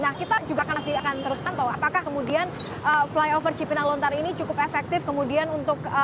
nah kita juga akan teruskan bahwa apakah kemudian flyover cipinang lontar ini cukup efektif kemudian untuk